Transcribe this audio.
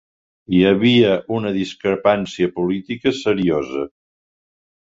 Hi havia una discrepància política seriosa.